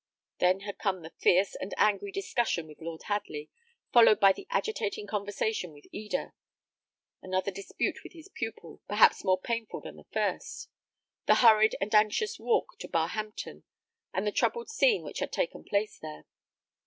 Then had come the fierce and angry discussion with Lord Hadley, followed by an agitating conversation with Eda; another dispute with his pupil, perhaps more painful than the first; the hurried and anxious walk to Barhampton, and the troubled scene which had taken place there.